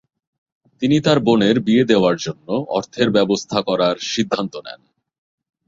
তিনি তার বোনের বিয়ে দেওয়ার জন্য অর্থের ব্যবস্থা করার সিদ্ধান্ত নেন।